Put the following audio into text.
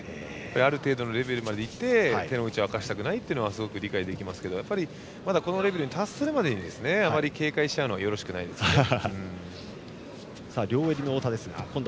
ある程度のレベルまで行って手の内を明かしたくないのは理解できますけどまだこのレベルの達するまでにあまり警戒しちゃうのはよろしくないですね。